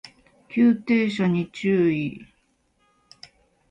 急停車に注意